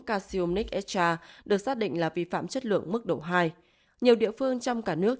casium nick extra được xác định là vi phạm chất lượng mức độ hai nhiều địa phương trong cả nước